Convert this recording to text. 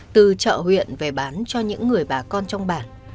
từ chợ huyện về bán cho những người bà con trong bản